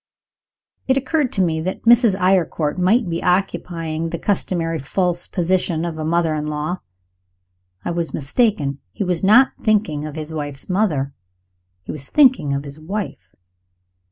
It occurred to me that Mrs. Eyrecourt might be occupying the customary false position of a mother in law. I was mistaken. He was not thinking of his wife's mother he was thinking of his wife.